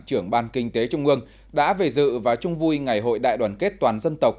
trưởng ban kinh tế trung ương đã về dự và chung vui ngày hội đại đoàn kết toàn dân tộc